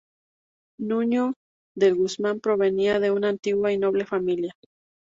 Nuño de Guzmán provenía de una antigua y noble familia.